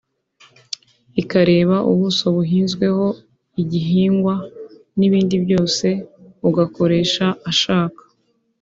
ikareba ubuso buhinzweho igihingwa n’ibindi byose ugakoresha ashaka